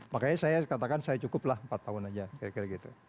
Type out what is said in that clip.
makanya saya katakan saya cukuplah empat tahun aja kira kira gitu